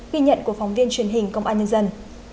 ghi nhận của phóng viên truyền hình công an nhân dân